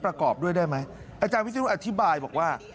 ประกอบด้วยได้ไหมอาจารย์วิศนุอธิบายบอกว่า